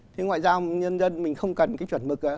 thì ngoại giao nhân dân mình không cần cái chuẩn mực